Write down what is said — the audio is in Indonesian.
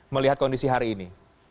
melihat kondisi hari ini